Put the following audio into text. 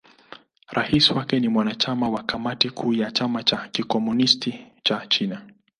Rais wake ni mwanachama wa Kamati Kuu ya Chama cha Kikomunisti cha China.